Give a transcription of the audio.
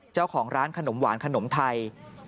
เจ้าของร้านขนมหวานขนมไทย